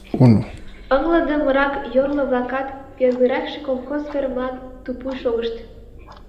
Ыҥлыдымырак йорло-влакат первыйракше колхоз фермылан тупуй шогышт.